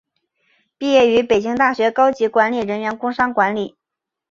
毕业于北京大学高级管理人员工商管理。